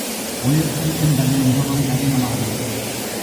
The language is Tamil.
ஒழுக்கம் என்பது மிகவும் கடினமானது.